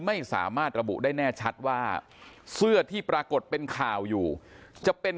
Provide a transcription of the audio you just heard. ไม่สามารถระบุได้แน่ชัดว่าเสื้อที่ปรากฏเป็นข่าวอยู่จะเป็น